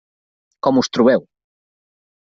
Com us trobeu?